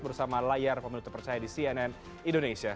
bersama layar pemilu terpercaya di cnn indonesia